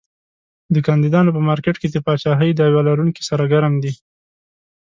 د کاندیدانو په مارکېټ کې د پاچاهۍ دعوی لرونکي سرګرم دي.